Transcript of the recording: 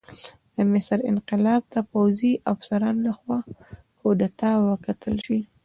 د مصر انقلاب ته د پوځي افسرانو لخوا کودتا وکتل شي.